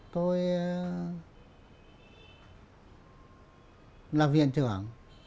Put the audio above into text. tôi là viện trưởng